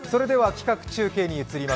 企画中継に移ります。